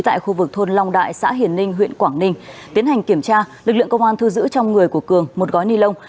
tại khu vực thôn long đại xã hiền ninh huyện quảng ninh tiến hành kiểm tra lực lượng công an thu giữ trong người của cường một gói ni lông